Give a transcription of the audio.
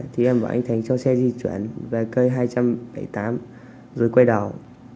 thì em bảo anh thành cho xe di chuyển về cây hai trăm bảy mươi tám rồi quay đầu